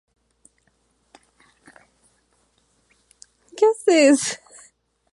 Él es un delantero especialmente experto en tiros libre.